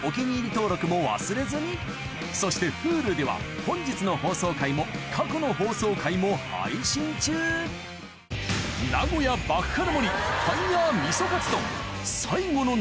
登録も忘れずにそしてＨｕｌｕでは本日の放送回も過去の放送回も配信中何か。